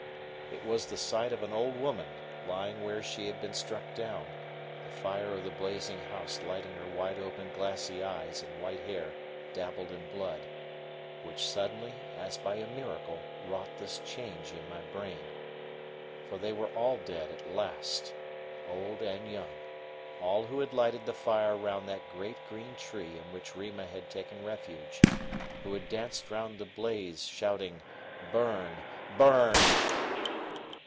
It was the sight of an old woman, lying where she had been struck down, the fire of the blazing house lighting her wide open glassy eyes and white hair dabbled in blood, which suddenly, as by a miracle, wrought this change in my brain. For they were all dead at last, old and young, all who had lighted the fire round that great green tree in which Rima had taken refuge, who had danced round the blaze, shouting: "Burn! burn!"